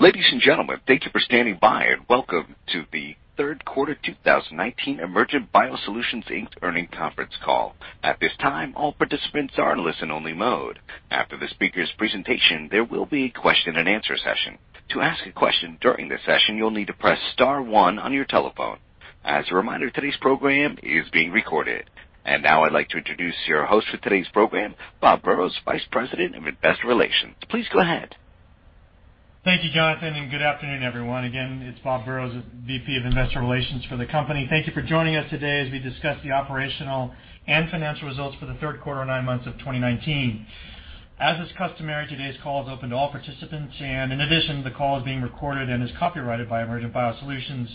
Ladies and gentlemen, thank you for standing by and welcome to the third quarter 2019 Emergent BioSolutions Inc. earnings conference call. At this time, all participants are in listen only mode. After the speaker's presentation, there will be a question and answer session. To ask a question during the session, you'll need to press star one on your telephone. As a reminder, today's program is being recorded. Now I'd like to introduce your host for today's program, Bob Burrows, Vice President of Investor Relations. Please go ahead. Thank you, Jonathan. Good afternoon, everyone. Again, it's Bob Burrows, VP of Investor Relations for the company. Thank you for joining us today as we discuss the operational and financial results for the third quarter and 9 months of 2019. As is customary, today's call is open to all participants, and in addition, the call is being recorded and is copyrighted by Emergent BioSolutions.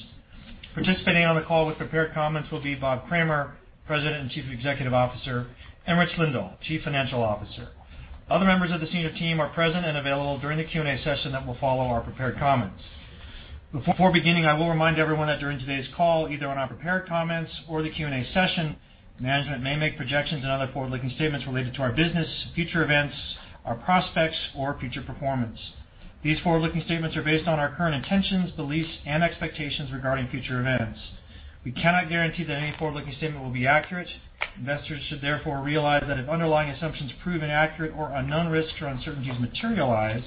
Participating on the call with prepared comments will be Bob Kramer, President and Chief Executive Officer, and Rich Lindahl, Chief Financial Officer. Other members of the senior team are present and available during the Q&A session that will follow our prepared comments. Before beginning, I will remind everyone that during today's call, either on our prepared comments or the Q&A session, management may make projections and other forward-looking statements related to our business, future events, our prospects, or future performance. These forward-looking statements are based on our current intentions, beliefs, and expectations regarding future events. We cannot guarantee that any forward-looking statement will be accurate. Investors should therefore realize that if underlying assumptions prove inaccurate or unknown risks or uncertainties materialize,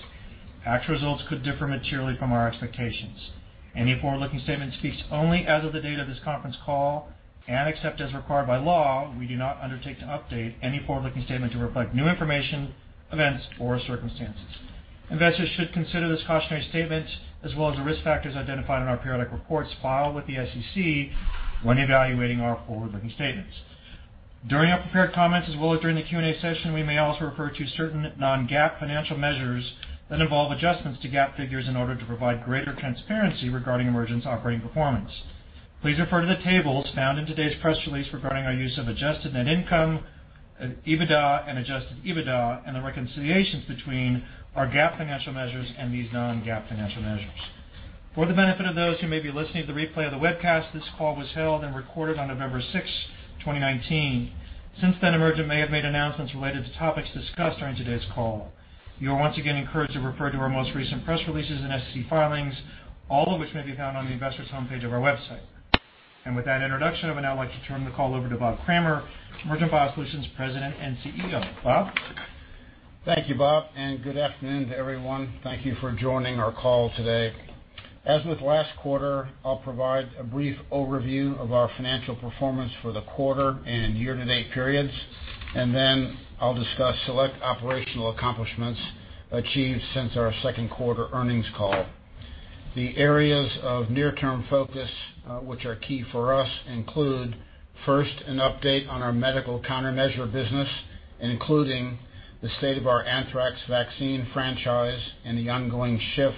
actual results could differ materially from our expectations. Any forward-looking statement speaks only as of the date of this conference call, and except as required by law, we do not undertake to update any forward-looking statement to reflect new information, events, or circumstances. Investors should consider this cautionary statement, as well as the risk factors identified in our periodic reports filed with the SEC when evaluating our forward-looking statements. During our prepared comments, as well as during the Q&A session, we may also refer to certain non-GAAP financial measures that involve adjustments to GAAP figures in order to provide greater transparency regarding Emergent's operating performance. Please refer to the tables found in today's press release regarding our use of adjusted net income, EBITDA and adjusted EBITDA, and the reconciliations between our GAAP financial measures and these non-GAAP financial measures. For the benefit of those who may be listening to the replay of the webcast, this call was held and recorded on November 6, 2019. Since then, Emergent may have made announcements related to topics discussed during today's call. You are once again encouraged to refer to our most recent press releases and SEC filings, all of which may be found on the investors homepage of our website. With that introduction, I would now like to turn the call over to Bob Kramer, Emergent BioSolutions President and CEO. Bob? Thank you, Bob, good afternoon to everyone. Thank you for joining our call today. As with last quarter, I'll provide a brief overview of our financial performance for the quarter and year-to-date periods, and then I'll discuss select operational accomplishments achieved since our second quarter earnings call. The areas of near-term focus, which are key for us, include, first, an update on our medical countermeasure business, including the state of our anthrax vaccine franchise and the ongoing shift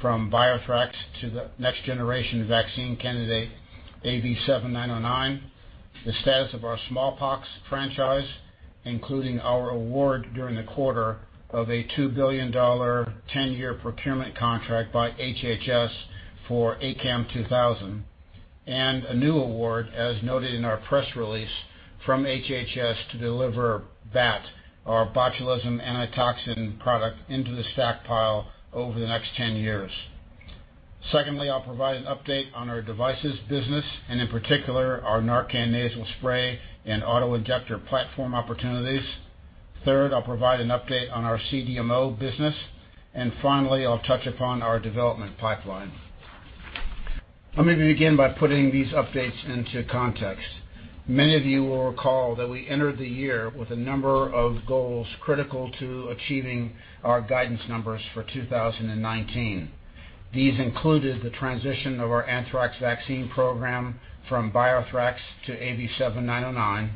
from BioThrax to the next generation vaccine candidate, AV7909. The status of our smallpox franchise, including our award during the quarter of a $2 billion 10-year procurement contract by HHS for ACAM2000. A new award, as noted in our press release from HHS to deliver BAT, our botulism antitoxin product, into the stockpile over the next 10 years. I'll provide an update on our devices business and in particular, our NARCAN Nasal Spray and auto-injector platform opportunities. I'll provide an update on our CDMO business. Finally, I'll touch upon our development pipeline. Let me begin by putting these updates into context. Many of you will recall that we entered the year with a number of goals critical to achieving our guidance numbers for 2019. These included the transition of our anthrax vaccine program from BioThrax to AV7909,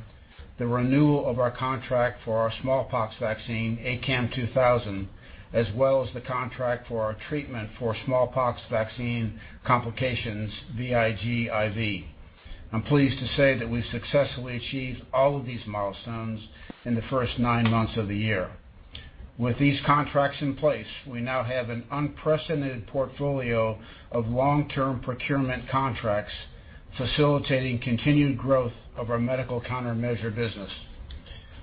the renewal of our contract for our smallpox vaccine, ACAM2000, as well as the contract for our treatment for smallpox vaccine complications, VIGIV. I'm pleased to say that we successfully achieved all of these milestones in the first nine months of the year. With these contracts in place, we now have an unprecedented portfolio of long-term procurement contracts facilitating continued growth of our medical countermeasure business.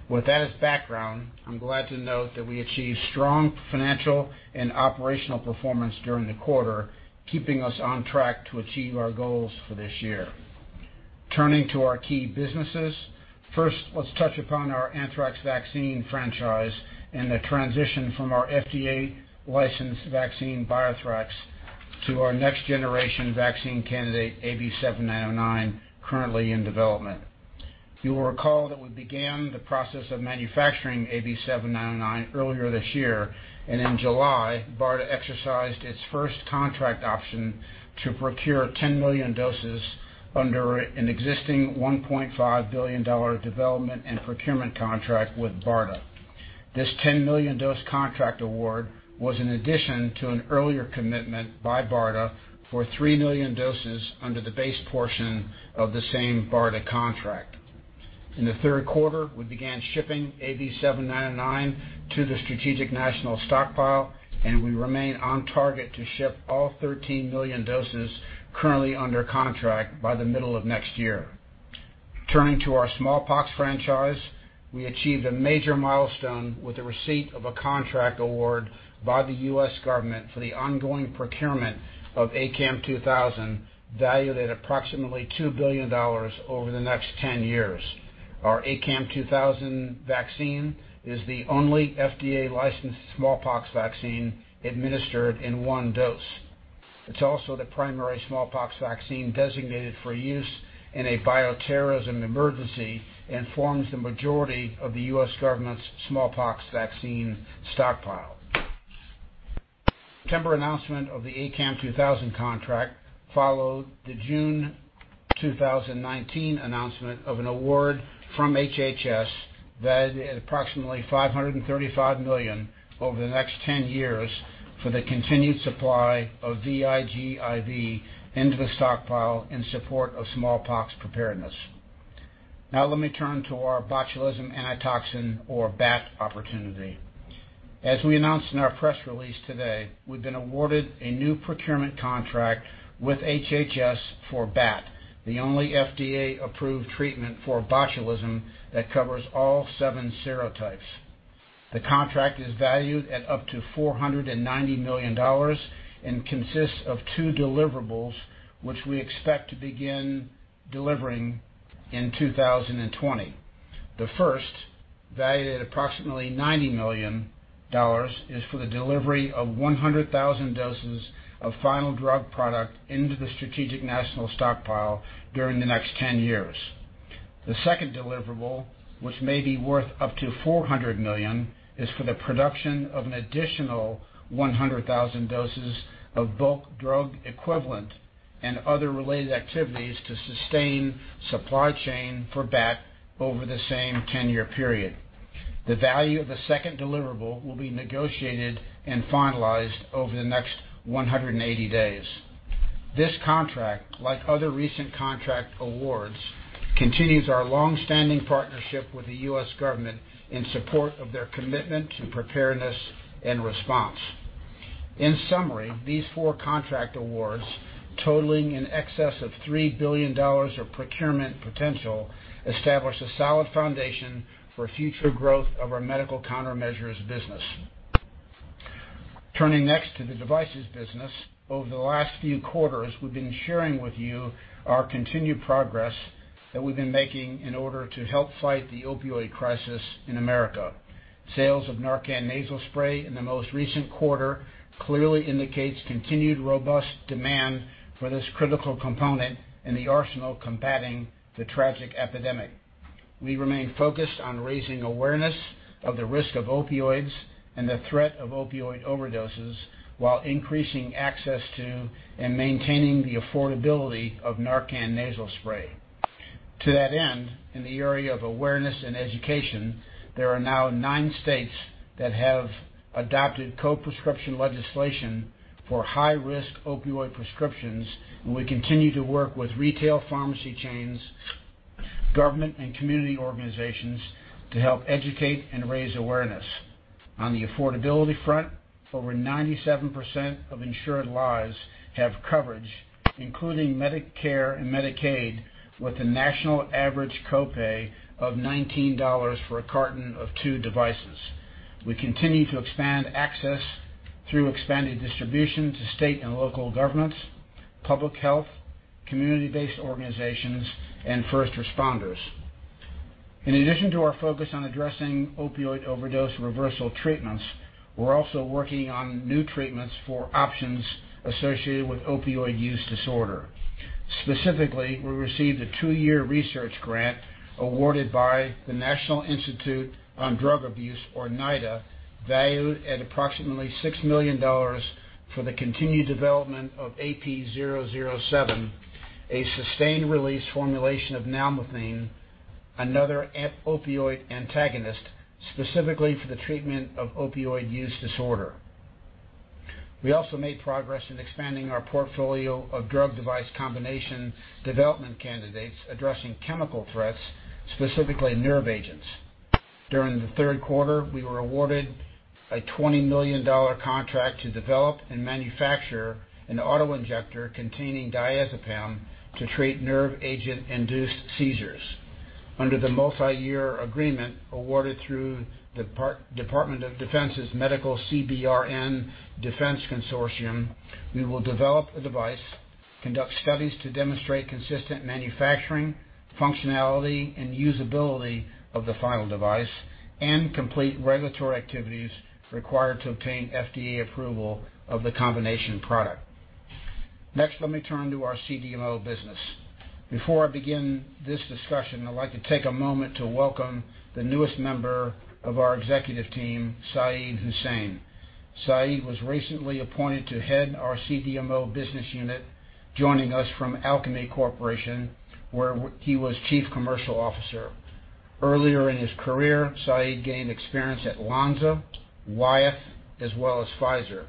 With that as background, I'm glad to note that we achieved strong financial and operational performance during the quarter, keeping us on track to achieve our goals for this year. Turning to our key businesses. First, let's touch upon our anthrax vaccine franchise and the transition from our FDA licensed vaccine, BioThrax, to our next generation vaccine candidate, AV7909, currently in development. You will recall that we began the process of manufacturing AV7909 earlier this year, and in July, BARDA exercised its first contract option to procure 10 million doses under an existing $1.5 billion development and procurement contract with BARDA. This 10 million dose contract award was in addition to an earlier commitment by BARDA for three million doses under the base portion of the same BARDA contract. In the third quarter, we began shipping AV7909 to the Strategic National Stockpile, and we remain on target to ship all 13 million doses currently under contract by the middle of next year. Turning to our smallpox franchise, we achieved a major milestone with the receipt of a contract award by the U.S. government for the ongoing procurement of ACAM2000, valued at approximately $2 billion over the next 10 years. Our ACAM2000 vaccine is the only FDA-licensed smallpox vaccine administered in one dose. It's also the primary smallpox vaccine designated for use in a bioterrorism emergency and forms the majority of the U.S. government's smallpox vaccine stockpile. September announcement of the ACAM2000 contract followed the June 2019 announcement of an award from HHS, valued at approximately $535 million over the next 10 years, for the continued supply of VIGIV into the stockpile in support of smallpox preparedness. Let me turn to our botulism antitoxin, or BAT opportunity. As we announced in our press release today, we've been awarded a new procurement contract with HHS for BAT, the only FDA-approved treatment for botulism that covers all seven serotypes. The contract is valued at up to $490 million and consists of two deliverables, which we expect to begin delivering in 2020. The first, valued at approximately $90 million, is for the delivery of 100,000 doses of final drug product into the Strategic National Stockpile during the next 10 years. The second deliverable, which may be worth up to $400 million, is for the production of an additional 100,000 doses of bulk drug equivalent and other related activities to sustain supply chain for BAT over the same 10-year period. The value of the second deliverable will be negotiated and finalized over the next 180 days. This contract, like other recent contract awards, continues our long-standing partnership with the U.S. government in support of their commitment to preparedness and response. In summary, these four contract awards, totaling in excess of $3 billion of procurement potential, establish a solid foundation for future growth of our medical countermeasures business. Turning next to the devices business. Over the last few quarters, we've been sharing with you our continued progress that we've been making in order to help fight the opioid crisis in America. Sales of NARCAN Nasal Spray in the most recent quarter clearly indicates continued robust demand for this critical component in the arsenal combating the tragic epidemic. We remain focused on raising awareness of the risk of opioids and the threat of opioid overdoses while increasing access to and maintaining the affordability of NARCAN Nasal Spray. To that end, in the area of awareness and education, there are now nine states that have adopted co-prescription legislation for high-risk opioid prescriptions. We continue to work with retail pharmacy chains, government, and community organizations to help educate and raise awareness. On the affordability front, over 97% of insured lives have coverage, including Medicare and Medicaid, with a national average copay of $19 for a carton of two devices. We continue to expand access through expanded distribution to state and local governments, public health, community-based organizations, and first responders. In addition to our focus on addressing opioid overdose reversal treatments, we are also working on new treatments for options associated with opioid use disorder. Specifically, we received a two-year research grant awarded by the National Institute on Drug Abuse, or NIDA, valued at approximately $6 million for the continued development of AP007, a sustained-release formulation of naloxone, another opioid antagonist, specifically for the treatment of opioid use disorder. We also made progress in expanding our portfolio of drug device combination development candidates addressing chemical threats, specifically nerve agents. During the third quarter, we were awarded a $20 million contract to develop and manufacture an auto-injector containing diazepam to treat nerve agent-induced seizures. Under the multi-year agreement awarded through the Department of Defense's Medical CBRN Defense Consortium, we will develop a device, conduct studies to demonstrate consistent manufacturing, functionality, and usability of the final device, and complete regulatory activities required to obtain FDA approval of the combination product. Next, let me turn to our CDMO business. Before I begin this discussion, I'd like to take a moment to welcome the newest member of our executive team, Syed Husain. Saeed was recently appointed to head our CDMO business unit, joining us from Alkermes plc, where he was chief commercial officer. Earlier in his career, Saeed gained experience at Lonza, Wyeth, as well as Pfizer.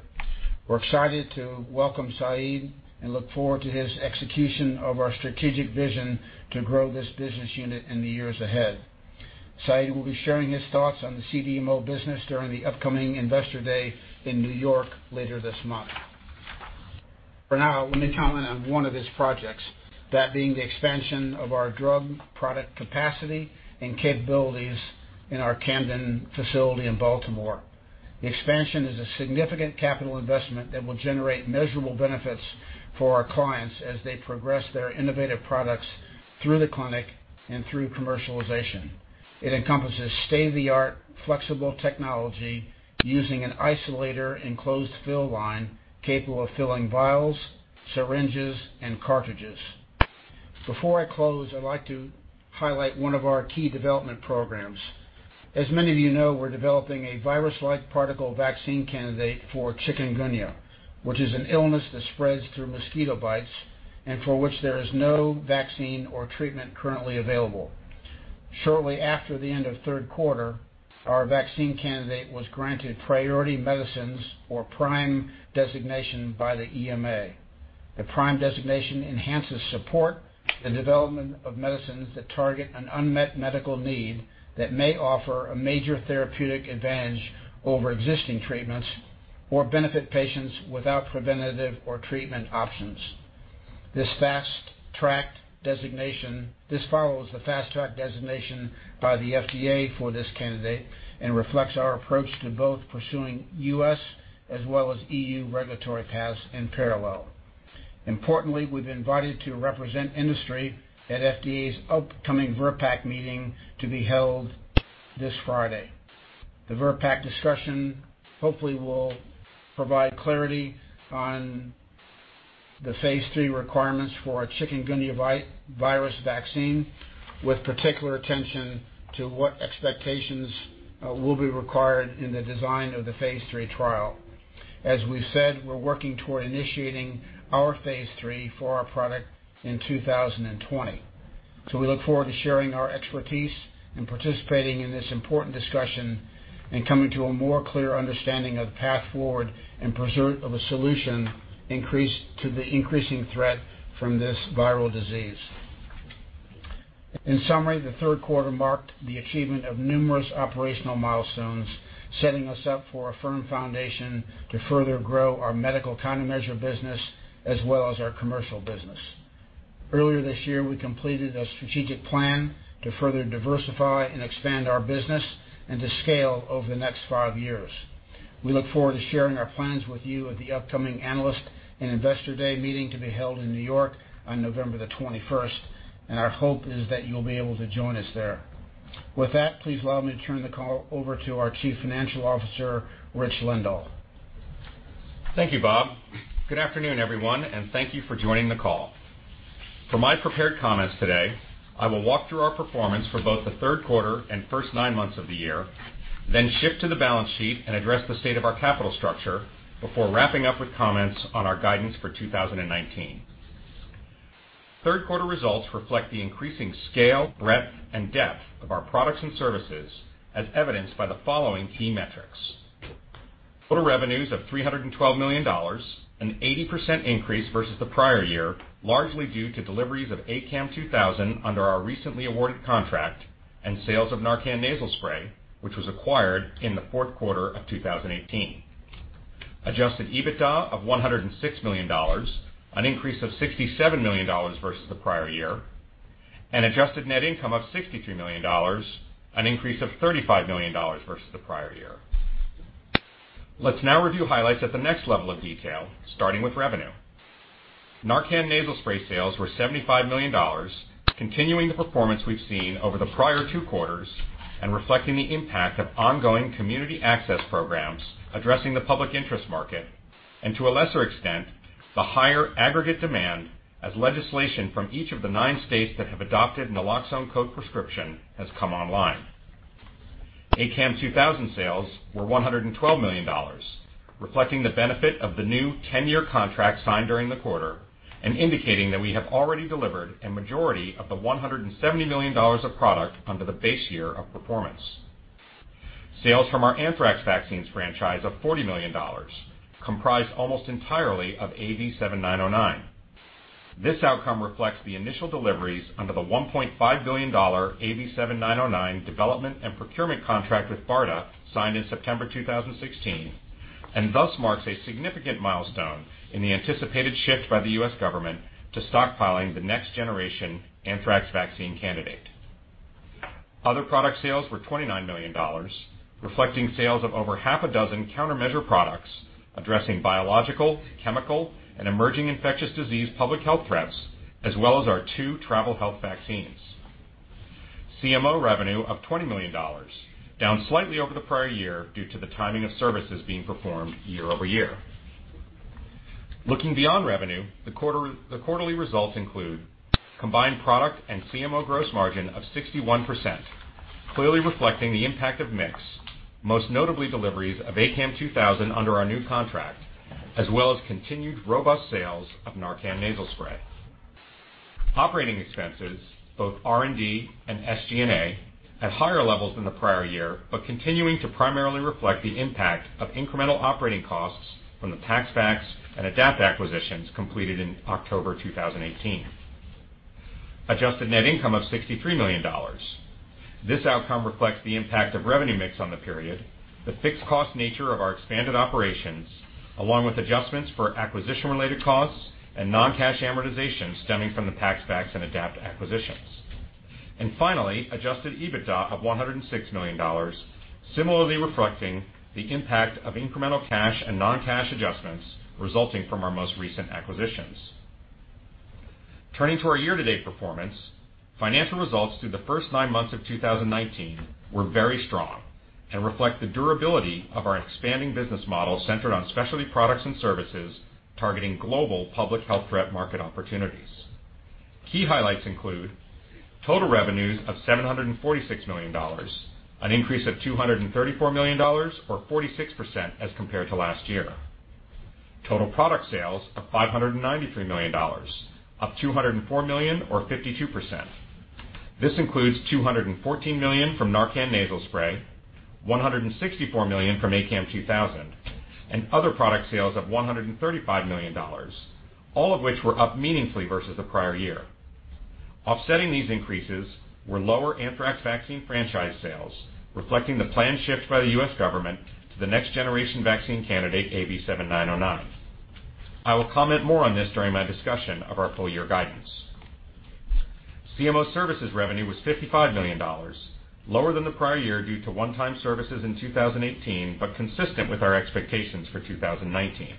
We're excited to welcome Saeed and look forward to his execution of our strategic vision to grow this business unit in the years ahead. Saeed will be sharing his thoughts on the CDMO business during the upcoming Investor Day in New York later this month. For now, let me comment on one of his projects, that being the expansion of our drug product capacity and capabilities in our Camden facility in Baltimore. The expansion is a significant capital investment that will generate measurable benefits for our clients as they progress their innovative products through the clinic and through commercialization. It encompasses state-of-the-art flexible technology using an isolator enclosed fill line capable of filling vials, syringes, and cartridges. Before I close, I'd like to highlight one of our key development programs. As many of you know, we're developing a virus-like particle vaccine candidate for chikungunya, which is an illness that spreads through mosquito bites and for which there is no vaccine or treatment currently available. Shortly after the end of the third quarter, our vaccine candidate was granted PRIority MEdicines or PRIME designation by the EMA. The PRIME designation enhances support the development of medicines that target an unmet medical need that may offer a major therapeutic advantage over existing treatments or benefit patients without preventative or treatment options. This follows the Fast Track designation by the FDA for this candidate and reflects our approach to both pursuing U.S. as well as EU regulatory paths in parallel. Importantly, we've been invited to represent industry at FDA's upcoming VRBPAC meeting to be held this Friday. The VRBPAC discussion hopefully will provide clarity on the phase III requirements for a chikungunya virus vaccine, with particular attention to what expectations will be required in the design of the phase III trial. We look forward to sharing our expertise and participating in this important discussion and coming to a more clear understanding of the path forward and pursuit of a solution to the increasing threat from this viral disease. In summary, the third quarter marked the achievement of numerous operational milestones, setting us up for a firm foundation to further grow our medical countermeasure business as well as our commercial business. Earlier this year, we completed a strategic plan to further diversify and expand our business and to scale over the next five years. We look forward to sharing our plans with you at the upcoming Analyst and Investor Day Meeting to be held in New York on November the 21st. Our hope is that you'll be able to join us there. With that, please allow me to turn the call over to our Chief Financial Officer, Rich Lindahl. Thank you, Bob. Good afternoon, everyone, and thank you for joining the call. For my prepared comments today, I will walk through our performance for both the third quarter and first nine months of the year, shift to the balance sheet and address the state of our capital structure before wrapping up with comments on our guidance for 2019. Third quarter results reflect the increasing scale, breadth, and depth of our products and services as evidenced by the following key metrics. Total revenues of $312 million, an 80% increase versus the prior year, largely due to deliveries of ACAM2000 under our recently awarded contract and sales of NARCAN Nasal Spray, which was acquired in the fourth quarter of 2018. Adjusted EBITDA of $106 million, an increase of $67 million versus the prior year, and adjusted net income of $63 million, an increase of $35 million versus the prior year. Let's now review highlights at the next level of detail, starting with revenue. NARCAN Nasal Spray sales were $75 million, continuing the performance we've seen over the prior two quarters and reflecting the impact of ongoing community access programs addressing the public interest market, and to a lesser extent, the higher aggregate demand as legislation from each of the nine states that have adopted naloxone co-prescription has come online. ACAM2000 sales were $112 million, reflecting the benefit of the new 10-year contract signed during the quarter and indicating that we have already delivered a majority of the $170 million of product under the base year of performance. Sales from our anthrax vaccines franchise of $40 million comprised almost entirely of AV7909. This outcome reflects the initial deliveries under the $1.5 billion AV7909 development and procurement contract with BARDA signed in September 2016, and thus marks a significant milestone in the anticipated shift by the U.S. government to stockpiling the next generation anthrax vaccine candidate. Other product sales were $29 million, reflecting sales of over half a dozen countermeasure products addressing biological, chemical, and emerging infectious disease public health threats, as well as our two travel health vaccines. CMO revenue of $20 million, down slightly over the prior year due to the timing of services being performed year-over-year. Looking beyond revenue, the quarterly results include combined product and CMO gross margin of 61%, clearly reflecting the impact of mix, most notably deliveries of ACAM2000 under our new contract, as well as continued robust sales of NARCAN Nasal Spray. Operating expenses, both R&D and SG&A, at higher levels than the prior year but continuing to primarily reflect the impact of incremental operating costs from the PaxVax and Adapt acquisitions completed in October 2018. Adjusted net income of $63 million. This outcome reflects the impact of revenue mix on the period, the fixed cost nature of our expanded operations, along with adjustments for acquisition-related costs and non-cash amortization stemming from the PaxVax and Adapt acquisitions. Finally, adjusted EBITDA of $106 million, similarly reflecting the impact of incremental cash and non-cash adjustments resulting from our most recent acquisitions. Turning to our year-to-date performance, financial results through the first nine months of 2019 were very strong and reflect the durability of our expanding business model centered on specialty products and services targeting global public health threat market opportunities. Key highlights include total revenues of $746 million, an increase of $234 million, or 46%, as compared to last year. Total product sales of $593 million, up $204 million or 52%. This includes $214 million from NARCAN Nasal Spray, $164 million from ACAM2000, and other product sales of $135 million, all of which were up meaningfully versus the prior year. Offsetting these increases were lower anthrax vaccine franchise sales, reflecting the planned shift by the U.S. government to the next-generation vaccine candidate, AV7909. I will comment more on this during my discussion of our full-year guidance. CMO services revenue was $55 million, lower than the prior year due to one-time services in 2018, but consistent with our expectations for 2019.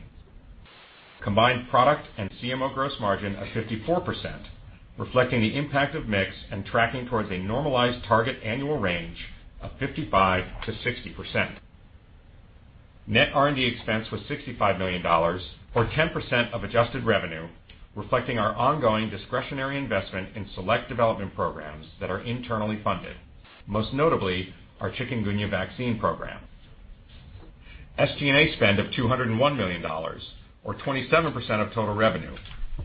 Combined product and CMO gross margin of 54%, reflecting the impact of mix and tracking towards a normalized target annual range of 55%-60%. Net R&D expense was $65 million, or 10% of adjusted revenue, reflecting our ongoing discretionary investment in select development programs that are internally funded, most notably our chikungunya vaccine program. SG&A spend of $201 million, or 27% of total revenue,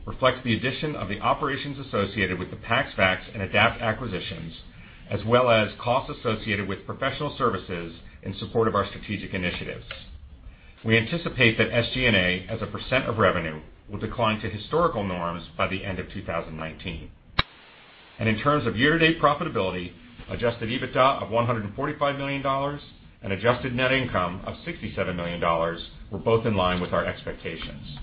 reflects the addition of the operations associated with the PaxVax and Adapt acquisitions, as well as costs associated with professional services in support of our strategic initiatives. We anticipate that SG&A as a % of revenue will decline to historical norms by the end of 2019. In terms of year-to-date profitability, adjusted EBITDA of $145 million and adjusted net income of $67 million were both in line with our expectations.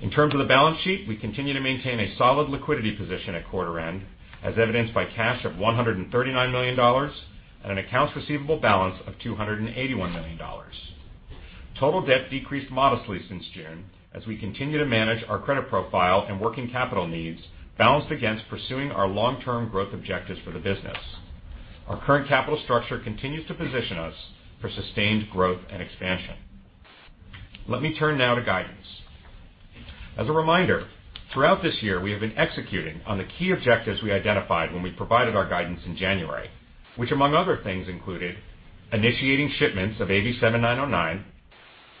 In terms of the balance sheet, we continue to maintain a solid liquidity position at quarter end, as evidenced by cash of $139 million and an accounts receivable balance of $281 million. Total debt decreased modestly since June as we continue to manage our credit profile and working capital needs balanced against pursuing our long-term growth objectives for the business. Our current capital structure continues to position us for sustained growth and expansion. Let me turn now to guidance. As a reminder, throughout this year, we have been executing on the key objectives we identified when we provided our guidance in January, which among other things included initiating shipments of AV7909,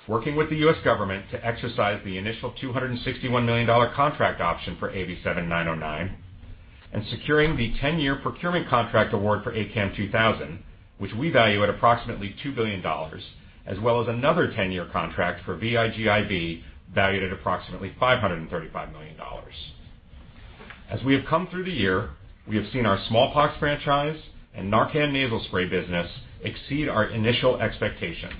working with the U.S. government to exercise the initial $261 million contract option for AV7909, and securing the 10-year procurement contract award for ACAM2000, which we value at approximately $2 billion, as well as another 10-year contract for VIGIV, valued at approximately $535 million. As we have come through the year, we have seen our smallpox franchise and NARCAN Nasal Spray business exceed our initial expectations,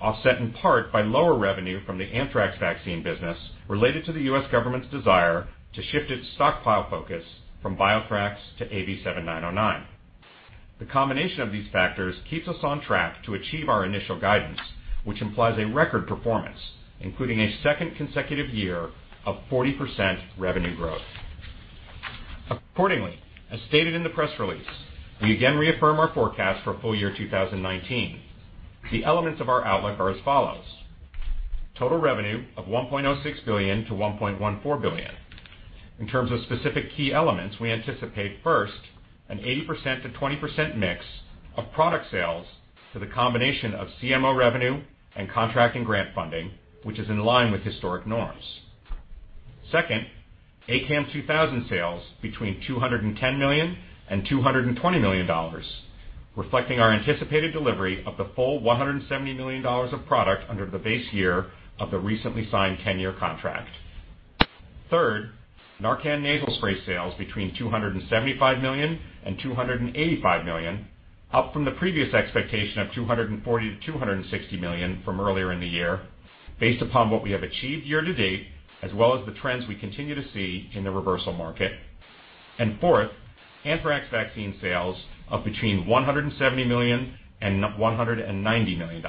offset in part by lower revenue from the anthrax vaccine business related to the U.S. government's desire to shift its stockpile focus from BioThrax to AV7909. The combination of these factors keeps us on track to achieve our initial guidance, which implies a record performance, including a second consecutive year of 40% revenue growth. As stated in the press release, we again reaffirm our forecast for full year 2019. The elements of our outlook are as follows. Total revenue of $1.06 billion-$1.14 billion. In terms of specific key elements, we anticipate first, an 80%-20% mix of product sales to the combination of CMO revenue and contract and grant funding, which is in line with historic norms. Second, ACAM2000 sales between $210 million and $220 million, reflecting our anticipated delivery of the full $170 million of product under the base year of the recently signed 10-year contract. Third, NARCAN Nasal Spray sales between $275 million and $285 million, up from the previous expectation of $240 million-$260 million from earlier in the year, based upon what we have achieved year to date, as well as the trends we continue to see in the reversal market. Fourth, anthrax vaccine sales of between $170 million and $190 million.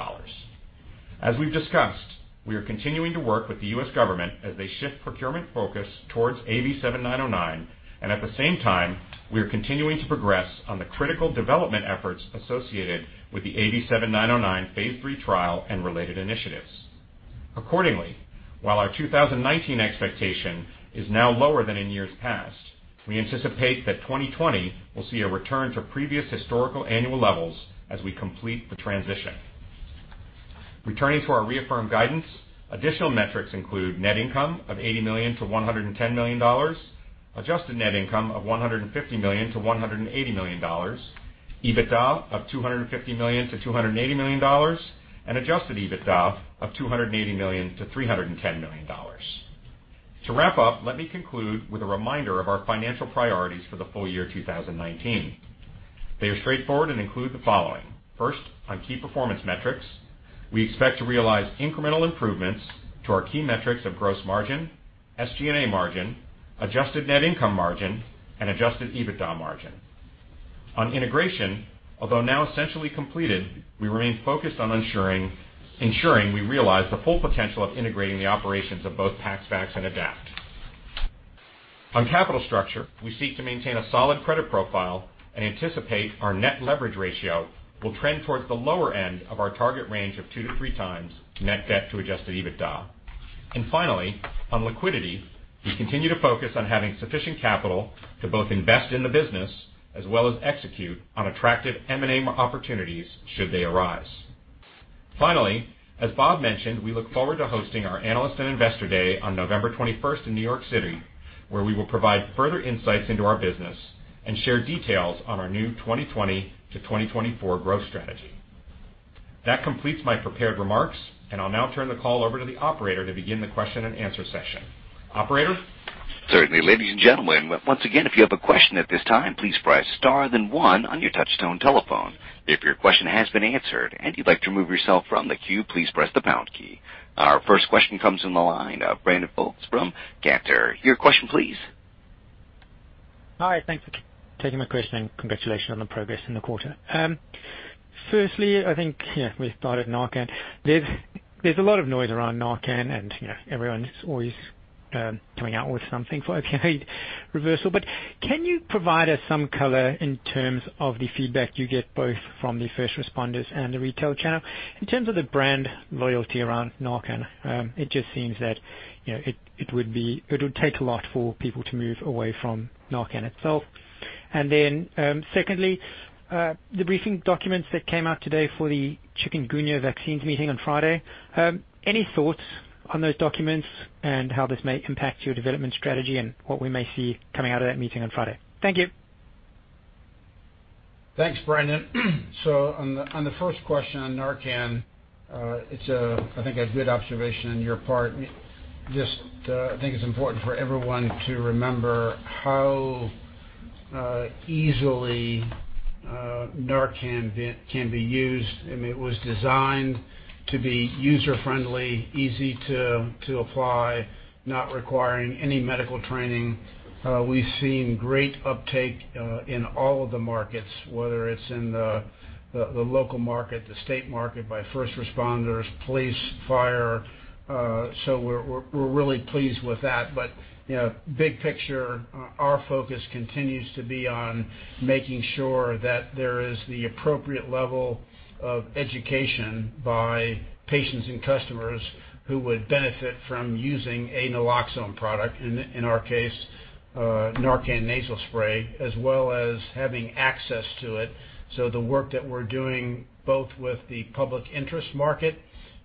As we've discussed, we are continuing to work with the U.S. government as they shift procurement focus towards AV7909, and at the same time, we are continuing to progress on the critical development efforts associated with the AV7909 phase III trial and related initiatives. Accordingly, while our 2019 expectation is now lower than in years past, we anticipate that 2020 will see a return to previous historical annual levels as we complete the transition. Returning to our reaffirmed guidance, additional metrics include net income of $80 million-$110 million, adjusted net income of $150 million-$180 million, EBITDA of $250 million-$280 million, and adjusted EBITDA of $280 million-$310 million. To wrap up, let me conclude with a reminder of our financial priorities for the full year 2019. They are straightforward and include the following. First, on key performance metrics, we expect to realize incremental improvements to our key metrics of gross margin, SG&A margin, adjusted net income margin, and adjusted EBITDA margin. On integration, although now essentially completed, we remain focused on ensuring we realize the full potential of integrating the operations of both PaxVax and Adapt. On capital structure, we seek to maintain a solid credit profile and anticipate our net leverage ratio will trend towards the lower end of our target range of two to three times net debt to adjusted EBITDA. Finally, on liquidity, we continue to focus on having sufficient capital to both invest in the business as well as execute on attractive M&A opportunities should they arise. Finally, as Bob mentioned, we look forward to hosting our analyst and investor day on November 21st in New York City, where we will provide further insights into our business and share details on our new 2020 to 2024 growth strategy. That completes my prepared remarks, and I'll now turn the call over to the operator to begin the question and answer session. Operator? Certainly. Ladies and gentlemen, once again, if you have a question at this time, please press star then one on your touch tone telephone. If your question has been answered and you'd like to remove yourself from the queue, please press the pound key. Our first question comes from the line of Brandon Folkes from Cantor. Your question please. Hi, thanks for taking my question, and congratulations on the progress in the quarter. Firstly, I think, yeah, we started NARCAN. There's a lot of noise around NARCAN, and everyone's always coming out with something for opioid reversal. Can you provide us some color in terms of the feedback you get both from the first responders and the retail channel in terms of the brand loyalty around NARCAN? It just seems that it would take a lot for people to move away from NARCAN itself. Secondly, the briefing documents that came out today for the chikungunya vaccines meeting on Friday, any thoughts on those documents and how this may impact your development strategy and what we may see coming out of that meeting on Friday? Thank you. Thanks, Brandon. On the first question on NARCAN, it's, I think, a good observation on your part. Just, I think it's important for everyone to remember how easily NARCAN can be used. I mean, it was designed to be user-friendly, easy to apply, not requiring any medical training. We've seen great uptake in all of the markets, whether it's in the local market, the state market, by first responders, police, fire. We're really pleased with that. Big picture, our focus continues to be on making sure that there is the appropriate level of education by patients and customers who would benefit from using a naloxone product, in our case, NARCAN Nasal Spray, as well as having access to it. The work that we're doing both with the public interest market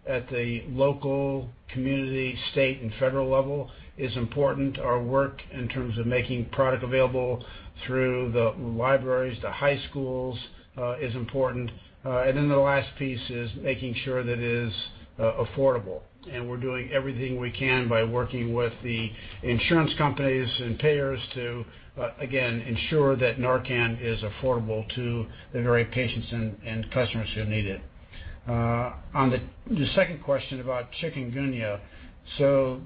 at the local community, state, and federal level is important. Our work in terms of making product available through the libraries, the high schools is important. The last piece is making sure that it is affordable, and we're doing everything we can by working with the insurance companies and payers to, again, ensure that NARCAN is affordable to the very patients and customers who need it. On the second question about chikungunya, the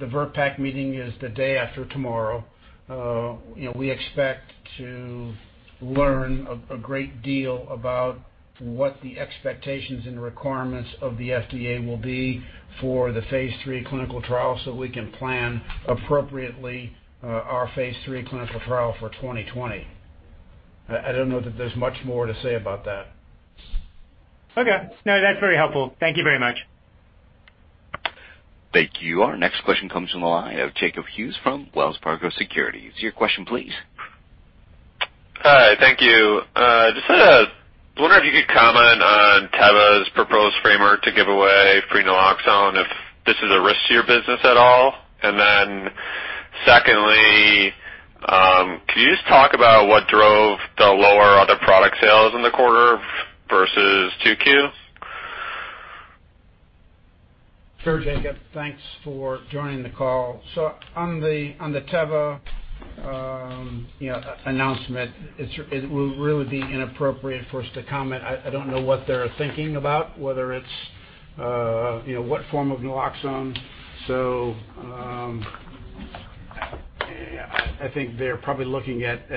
VRBPAC meeting is the day after tomorrow. We expect to learn a great deal about what the expectations and requirements of the FDA will be for the phase III clinical trial so we can plan appropriately our phase III clinical trial for 2020. I don't know that there's much more to say about that. Okay. No, that's very helpful. Thank you very much. Thank you. Our next question comes from the line of Jacob Hughes from Wells Fargo Securities. Your question please. Hi. Thank you. Just wondering if you could comment on Teva's proposed framework to give away free naloxone, if this is a risk to your business at all. Secondly, could you just talk about what drove the lower other product sales in the quarter versus 2Q? Sure, Jacob. Thanks for joining the call. On the Teva announcement, it will really be inappropriate for us to comment. I don't know what they're thinking about, whether it's what form of naloxone. I think they're probably looking at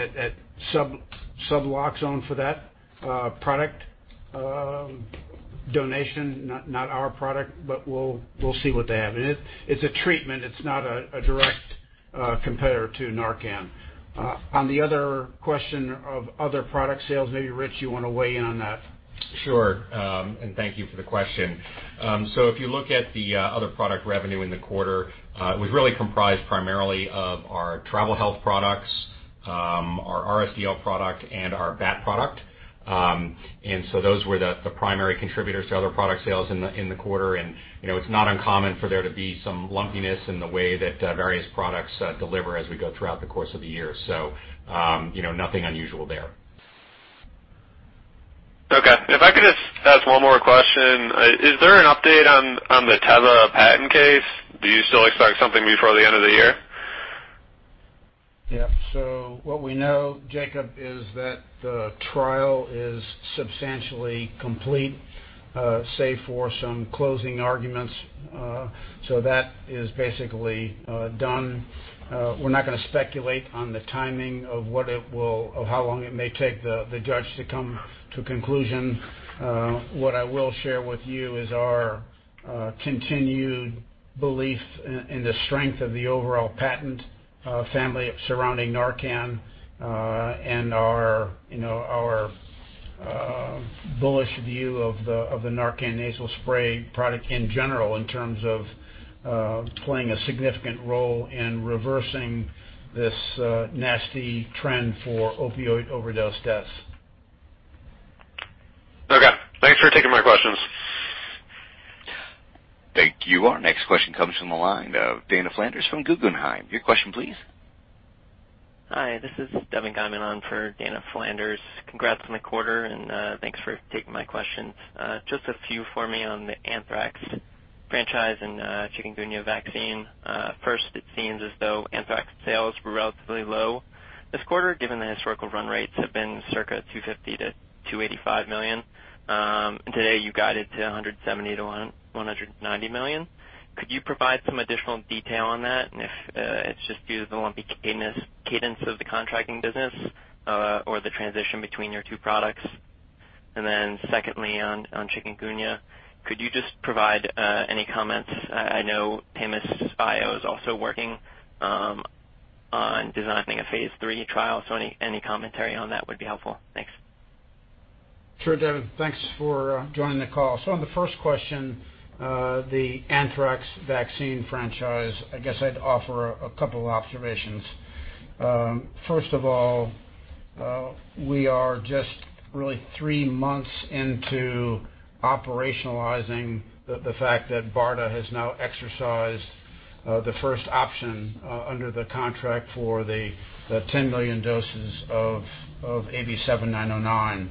Suboxone for that product donation. Not our product, we'll see what they have. It's a treatment. It's not a direct competitor to NARCAN. On the other question of other product sales, maybe Rich, you want to weigh in on that? Sure. Thank you for the question. If you look at the other product revenue in the quarter, it was really comprised primarily of our travel health products, our RSDL product, and our BAT product. Those were the primary contributors to other product sales in the quarter. It's not uncommon for there to be some lumpiness in the way that various products deliver as we go throughout the course of the year. Nothing unusual there. Okay. If I could just ask one more question. Is there an update on the Teva patent case? Do you still expect something before the end of the year? What we know, Jacob, is that the trial is substantially complete, save for some closing arguments. That is basically done. We're not going to speculate on the timing of how long it may take the judge to come to conclusion. What I will share with you is our continued belief in the strength of the overall patent family surrounding NARCAN and our bullish view of the NARCAN Nasal Spray product in general, in terms of playing a significant role in reversing this nasty trend for opioid overdose deaths. Okay. Thanks for taking my questions. Thank you. Our next question comes from the line of Dana Flanders from Guggenheim. Your question, please. Hi, this is Devin Geiman on for Dana Flanders. Congrats on the quarter, thanks for taking my questions. Just a few for me on the anthrax franchise and chikungunya vaccine. First, it seems as though anthrax sales were relatively low this quarter, given the historical run rates have been circa $250 million-$285 million. Today, you guided to $170 million-$190 million. Could you provide some additional detail on that, and if it's just due to the lumpy cadence of the contracting business or the transition between your two products? Secondly, on chikungunya, could you just provide any comments? I know Themis Bioscience is also working on designing a phase III trial, any commentary on that would be helpful. Thanks. Devin, thanks for joining the call. On the first question, the anthrax vaccine franchise, I guess I'd offer a couple of observations. First of all, we are just really three months into operationalizing the fact that BARDA has now exercised the first option under the contract for the 10 million doses of AV7909.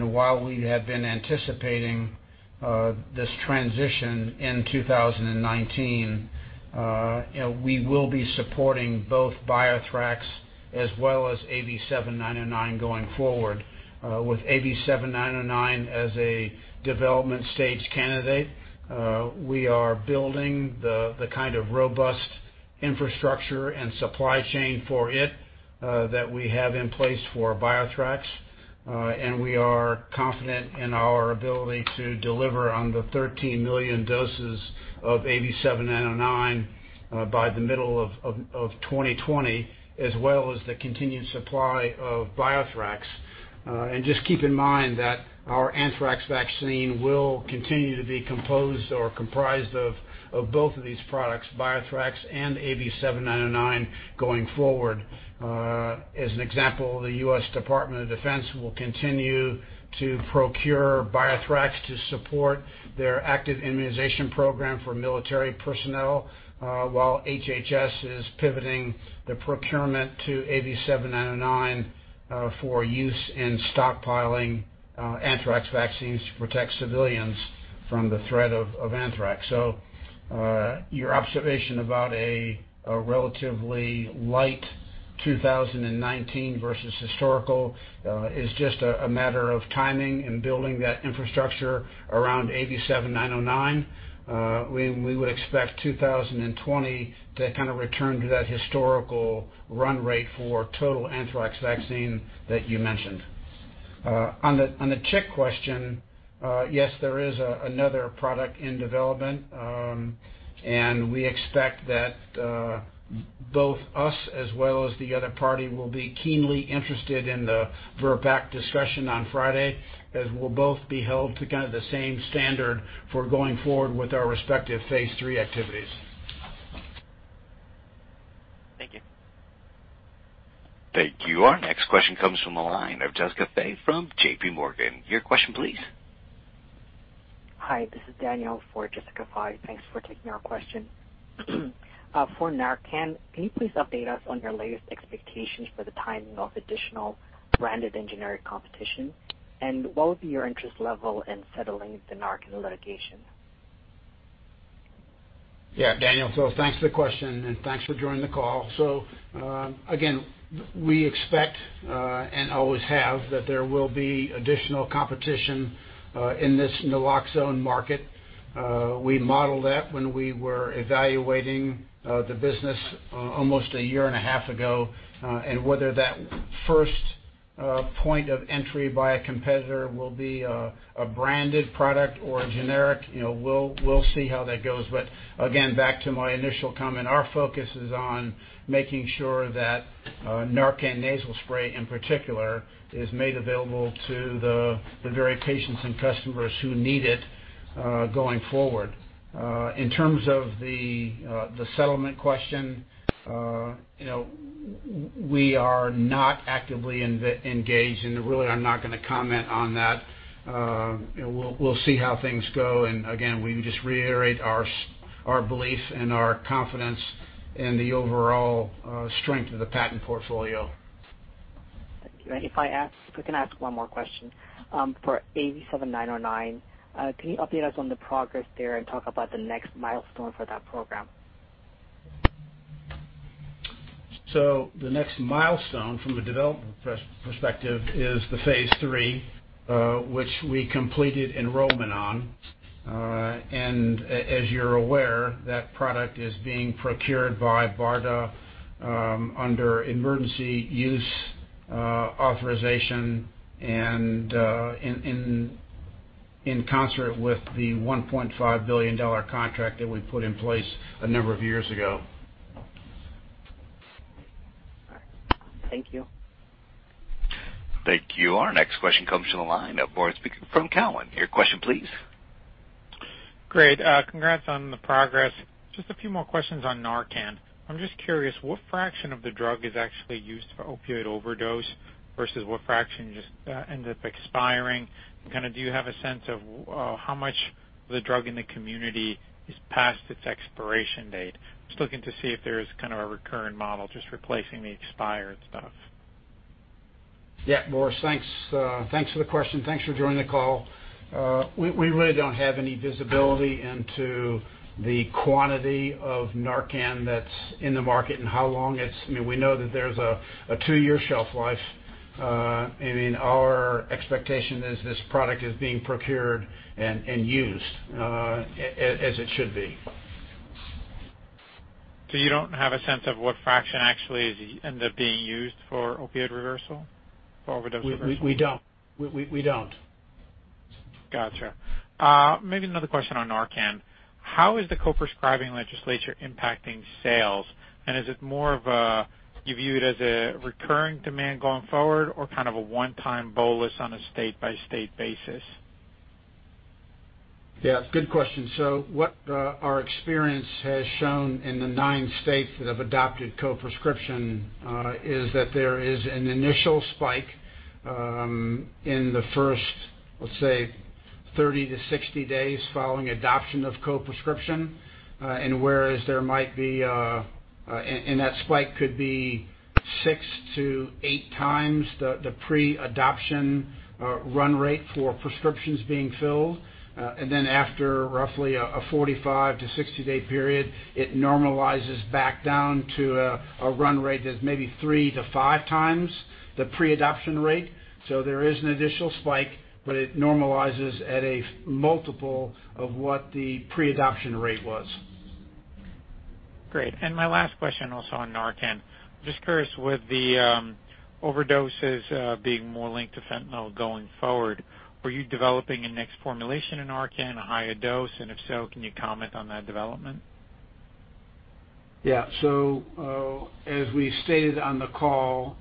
While we have been anticipating this transition in 2019, we will be supporting both BioThrax as well as AV7909 going forward. With AV7909 as a development stage candidate, we are building the kind of robust infrastructure and supply chain for it that we have in place for BioThrax. We are confident in our ability to deliver on the 13 million doses of AV7909 by the middle of 2020, as well as the continued supply of BioThrax. Just keep in mind that our anthrax vaccine will continue to be composed or comprised of both of these products, BioThrax and AV7909, going forward. As an example, the US Department of Defense will continue to procure BioThrax to support their active immunization program for military personnel, while HHS is pivoting the procurement to AV7909 for use in stockpiling anthrax vaccines to protect civilians from the threat of anthrax. Your observation about a relatively light 2019 versus historical is just a matter of timing and building that infrastructure around AV7909. We would expect 2020 to kind of return to that historical run rate for total anthrax vaccine that you mentioned. On the chik question, yes, there is another product in development. We expect that both us as well as the other party will be keenly interested in the VRBPAC discussion on Friday, as we'll both be held to kind of the same standard for going forward with our respective phase III activities. Thank you. Thank you. Our next question comes from the line of Jessica Fye from J.P. Morgan. Your question, please. Hi, this is Daniel for Jessica Fye. Thanks for taking our question. For NARCAN, can you please update us on your latest expectations for the timing of additional branded generic competition? What would be your interest level in settling the NARCAN litigation? Daniel. Thanks for the question, and thanks for joining the call. Again, we expect, and always have, that there will be additional competition in this naloxone market. We modeled that when we were evaluating the business almost a year and a half ago, and whether that first point of entry by a competitor will be a branded product or a generic, we'll see how that goes. Again, back to my initial comment, our focus is on making sure that NARCAN Nasal Spray, in particular, is made available to the very patients and customers who need it going forward. In terms of the settlement question, we are not actively engaged, and really, I'm not going to comment on that. We'll see how things go, and again, we just reiterate our belief and our confidence in the overall strength of the patent portfolio. If I can ask one more question. For AV7909, can you update us on the progress there and talk about the next milestone for that program? The next milestone from a development perspective is the phase III, which we completed enrollment on. As you're aware, that product is being procured by BARDA under emergency use authorization and in concert with the $1.5 billion contract that we put in place a number of years ago. All right. Thank you. Thank you. Our next question comes from the line of Boris from Cowen. Your question please. Great. Congrats on the progress. A few more questions on NARCAN. I'm just curious, what fraction of the drug is actually used for opioid overdose versus what fraction just ends up expiring? Do you have a sense of how much of the drug in the community is past its expiration date? Looking to see if there's a recurring model, just replacing the expired stuff. Yeah. Boris, thanks for the question. Thanks for joining the call. We really don't have any visibility into the quantity of NARCAN that's in the market. We know that there's a two-year shelf life. Our expectation is this product is being procured and used, as it should be. You don't have a sense of what fraction actually ends up being used for opioid reversal or overdose reversal? We don't. Got you. Maybe another question on NARCAN. How is the co-prescribing legislature impacting sales? Is it more of a, you view it as a recurring demand going forward or kind of a one-time bolus on a state-by-state basis? Yeah, good question. What our experience has shown in the nine states that have adopted co-prescription is that there is an initial spike in the first, let's say, 30 to 60 days following adoption of co-prescription. That spike could be six to eight times the pre-adoption run rate for prescriptions being filled. After roughly a 45- to 60-day period, it normalizes back down to a run rate that's maybe three to five times the pre-adoption rate. There is an initial spike, but it normalizes at a multiple of what the pre-adoption rate was. Great. My last question also on NARCAN. Just curious, with the overdoses being more linked to fentanyl going forward, were you developing a next formulation in NARCAN, a higher dose? If so, can you comment on that development? Yeah. As we stated on the call,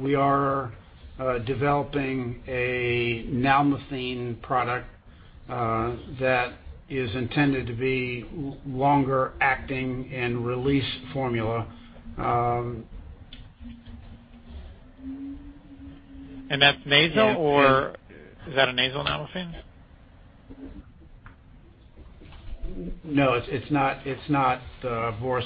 we are developing a nalmefene product that is intended to be longer acting and release formula. That's nasal, or is that a nasal nalmefene? No, it's not, Boris.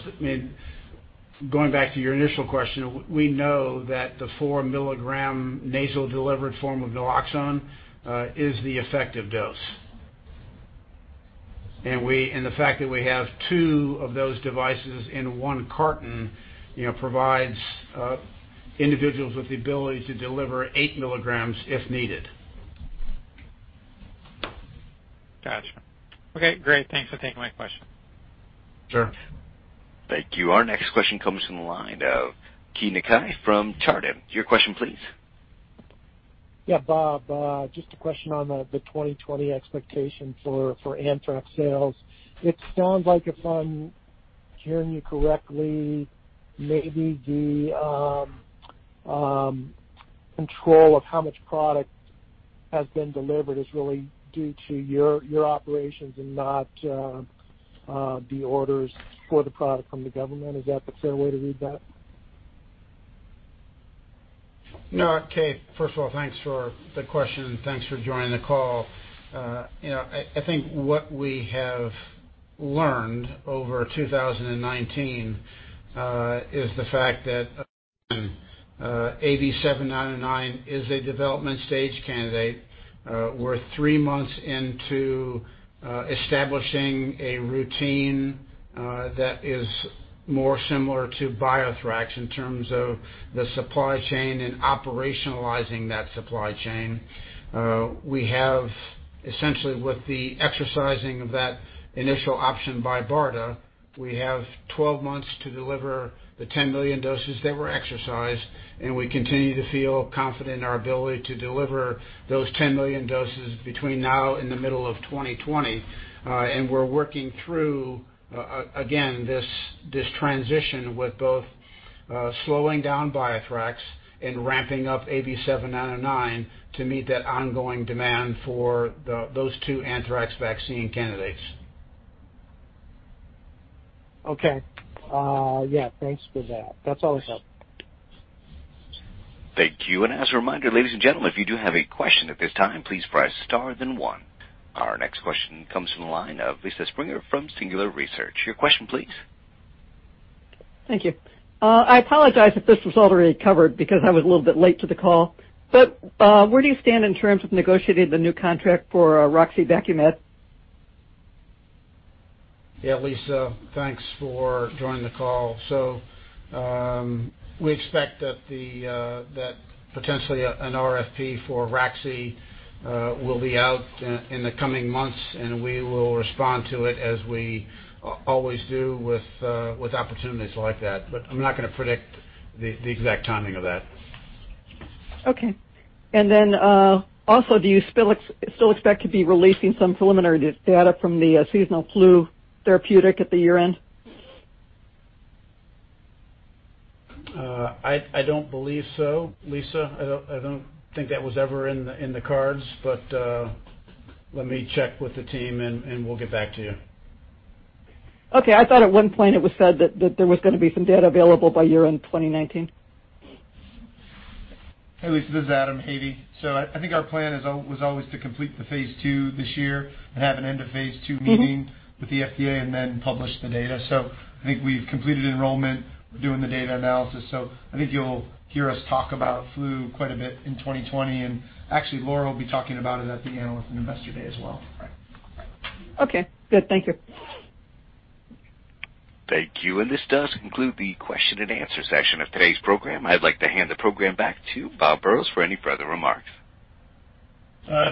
Going back to your initial question, we know that the four milligram nasal delivered form of naloxone is the effective dose. The fact that we have two of those devices in one carton provides individuals with the ability to deliver eight milligrams if needed. Got you. Okay, great. Thanks for taking my question. Sure. Thank you. Our next question comes from the line of Keay Nakae from Chardan. Your question, please. Yeah, Bob, just a question on the 2020 expectation for anthrax sales. It sounds like, if I'm hearing you correctly, maybe the control of how much product has been delivered is really due to your operations and not the orders for the product from the government. Is that the fair way to read that? No, Keay. First of all, thanks for the question and thanks for joining the call. I think what we have learned over 2019 is the fact that AV7909 is a development stage candidate. We're three months into establishing a routine that is more similar to BioThrax in terms of the supply chain and operationalizing that supply chain. We have, essentially with the exercising of that initial option by BARDA, we have 12 months to deliver the 10 million doses that were exercised, and we continue to feel confident in our ability to deliver those 10 million doses between now and the middle of 2020. We're working through, again, this transition with both slowing down BioThrax and ramping up AV7909 to meet that ongoing demand for those two anthrax vaccine candidates. Okay. Yeah, thanks for that. That's all I got. Thank you. As a reminder, ladies and gentlemen, if you do have a question at this time, please press star then one. Our next question comes from the line of Lisa Springer from Singular Research. Your question, please. Thank you. I apologize if this was already covered because I was a little bit late to the call. Where do you stand in terms of negotiating the new contract for raxibacumab? Yeah, Lisa, thanks for joining the call. We expect that potentially an RFP for Raxi will be out in the coming months, and we will respond to it as we always do with opportunities like that. I'm not going to predict the exact timing of that. Okay. Also, do you still expect to be releasing some preliminary data from the seasonal flu therapeutic at the year-end? I don't believe so, Lisa. I don't think that was ever in the cards, but let me check with the team, and we'll get back to you. Okay. I thought at one point it was said that there was going to be some data available by year-end 2019. Hey, Lisa, this is Adam Havey. I think our plan was always to complete the phase II this year and have an end of phase II meeting with the FDA and then publish the data. I think we've completed enrollment. We're doing the data analysis. I think you'll hear us talk about flu quite a bit in 2020. Actually, Laura will be talking about it at the Analyst and Investor Day as well. Okay, good. Thank you. Thank you. This does conclude the question and answer session of today's program. I'd like to hand the program back to Bob Burrows for any further remarks.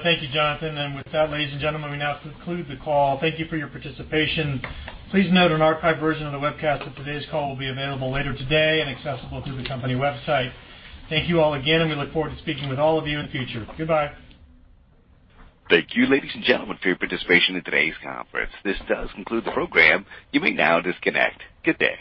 Thank you, Jonathan. With that, ladies and gentlemen, we now conclude the call. Thank you for your participation. Please note an archived version of the webcast of today's call will be available later today and accessible through the company website. Thank you all again, and we look forward to speaking with all of you in the future. Goodbye. Thank you, ladies and gentlemen, for your participation in today's conference. This does conclude the program. You may now disconnect. Good day.